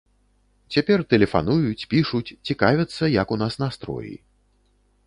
Цяпер тэлефануюць, пішуць, цікавяцца, як у нас настроі.